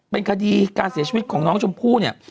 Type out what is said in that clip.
เป็นคดีการเสียชีวิตของน้องชมพู่เนี่ย